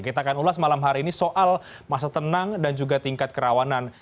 kita akan ulas malam hari ini soal masa tenang dan juga tingkat kerawanan